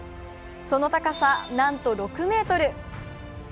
その高さ、なんと６ｍ。